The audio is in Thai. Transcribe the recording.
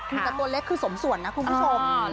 แต่ตัวเล็กคือสมส่วนนะคุณผู้ชม